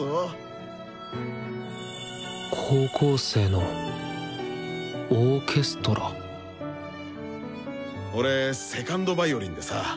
高校生のオーケストラ俺２ｎｄヴァイオリンでさ